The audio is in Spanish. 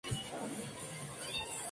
Karen huye a la planta baja.